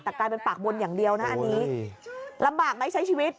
แต่กลายเป็นปากบนอย่างเดียวนะอันนี้ลำบากไหมใช้ชีวิต